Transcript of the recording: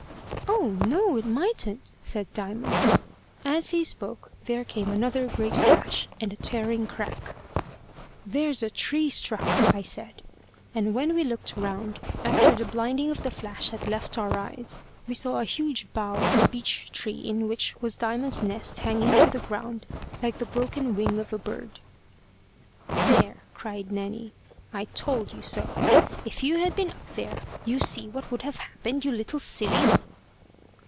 "Oh, no, it mightn't!" said Diamond. As he spoke there came another great flash, and a tearing crack. "There's a tree struck!" I said; and when we looked round, after the blinding of the flash had left our eyes, we saw a huge bough of the beech tree in which was Diamond's nest hanging to the ground like the broken wing of a bird. "There!" cried Nanny; "I told you so. If you had been up there you see what would have happened, you little silly!"